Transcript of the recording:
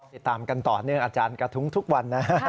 ติดตามกันต่อเนื่องอาจารย์กระทุ้งทุกวันนะ